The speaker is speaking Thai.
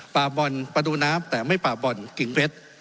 ปาบบ่อนประดูน้ำแต่ไม่ปาบบ่อนกลิ่นเพชร